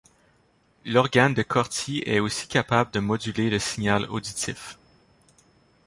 L'organe de Corti est aussi capable de moduler le signal auditif.